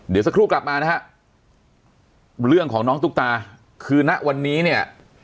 เดี๋ยวสักครู่กลับมานะฮะเรื่องของน้องตุ๊กตาคือณวันนี้เนี่ย